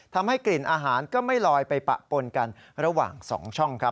ทำให้กลิ่นอาหารก็ไม่ลอยไปปะปนกันระหว่าง๒ช่องครับ